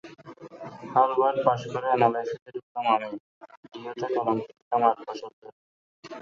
Harvard পাশ করে অ্যানালাইসিসে ঢুকলাম আমি, ডিও তে কলম পিষলাম আট বছর ধরে।